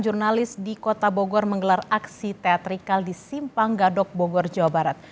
jurnalis di kota bogor menggelar aksi teatrikal di simpang gadok bogor jawa barat